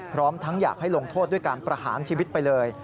พร้อมทั้งอยากให้ลงโทษด้วยการประหารชีวิตไปเลย